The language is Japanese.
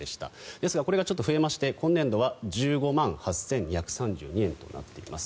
ですがこれがちょっと増えまして今年度は１５万８２３２円となっています。